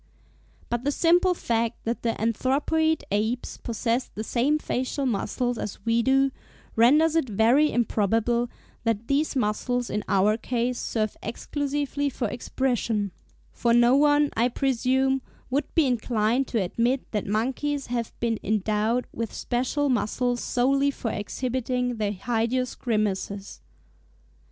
But the simple fact that the anthropoid apes possess the same facial muscles as we do, renders it very improbable that these muscles in our case serve exclusively for expression; for no one, I presume, would be inclined to admit that monkeys have been endowed with special muscles solely for exhibiting their hideous grimaces.